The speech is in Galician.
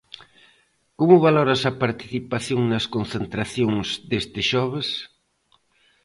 Como valoras a participación nas concentracións deste xoves?